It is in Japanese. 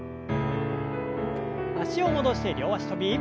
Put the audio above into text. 脚を戻して両脚跳び。